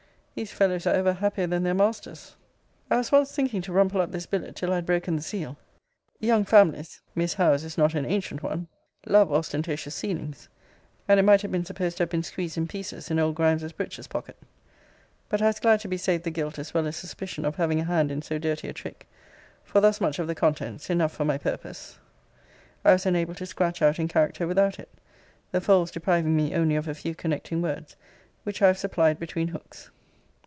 These fellows are ever happier than their masters. I was once thinking to rumple up this billet till I had broken the seal. Young families [Miss Howe's is not an ancient one] love ostentatious sealings: and it might have been supposed to have been squeezed in pieces in old Grimes's breeches pocket. But I was glad to be saved the guilt as well as suspicion of having a hand in so dirty a trick; for thus much of the contents (enough for my purpose) I was enabled to scratch out in character without it; the folds depriving me only of a few connecting words, which I have supplied between hooks.